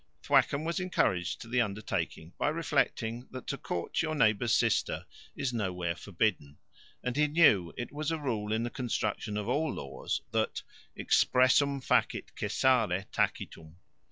Thwackum was encouraged to the undertaking by reflecting that to covet your neighbour's sister is nowhere forbidden: and he knew it was a rule in the construction of all laws, that "_Expressum facit cessare tacitum.